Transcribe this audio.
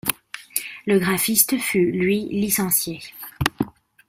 Le graphiste fut, lui, licencié.